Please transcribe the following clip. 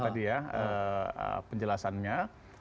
tadi ya penjelasannya